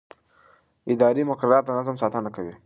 اداري مقررات د نظم ساتنه کوي.